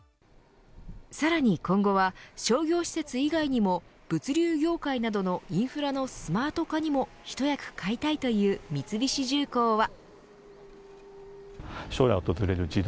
さらに今後は商業施設以外にも物流業界などのインフラのスマート化にも一役買いたいという三菱重工は。